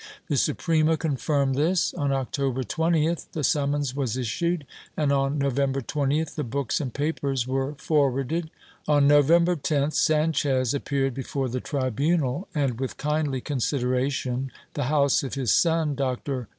The Suprema confirmed this; on October 20tli the summons was issued and, on November 20th, the books and papers were for warded. On November 10th Sanchez appeared before the tribunal and, with kindly consideration, the house of his son. Dr.